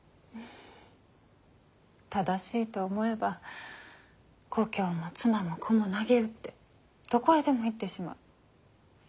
正しいと思えば故郷も妻も子もなげうってどこへでも行ってしまう。